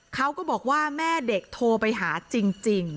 เขาก็บอกว่าแม่เด็กโทรไปหาจริง